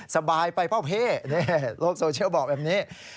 สบายไปเป้าพี่โลกโซเชียลบอกแบบนี้